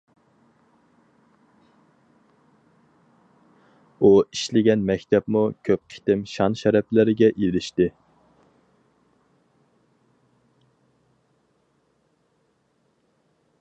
ئۇ ئىشلىگەن مەكتەپمۇ كۆپ قېتىم شان شەرەپلەرگە ئېرىشتى.